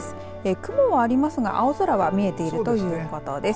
雲はありますが、青空は見えているということです。